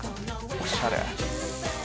おしゃれ。